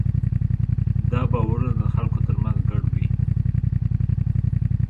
دا باورونه د خلکو ترمنځ ګډ وي.